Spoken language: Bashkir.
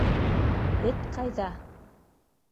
- Эт ҡайҙа?!